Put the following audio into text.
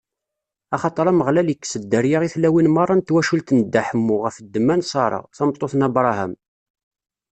Axaṭer Ameɣlal ikkes dderya i tlawin meṛṛa n twacult n Dda Ḥemmu ɣef ddemma n Ṣara, tameṭṭut n Abṛaham.